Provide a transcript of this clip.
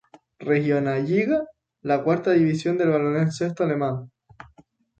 Regionalliga, la cuarta división del baloncesto alemán.